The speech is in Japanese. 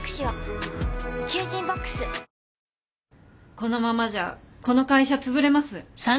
このままじゃこの会社つぶれます。